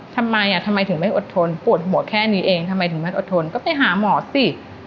ทำไมทำไมถึงไม่อดทนปวดหัวแค่นี้เองทำไมถึงไม่อดทนก็ไปหาหมอสิ